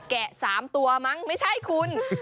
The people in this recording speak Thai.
๓ตัวมั้งไม่ใช่คุณ